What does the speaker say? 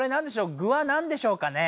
具は何でしょうかね。